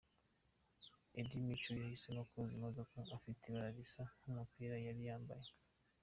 Eddie Mico yahisemo koza imodoka ifite ibara risa nk'umupira yari yambaye.